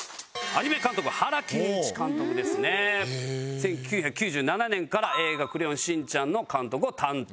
１９９７年から『映画クレヨンしんちゃん』の監督を担当。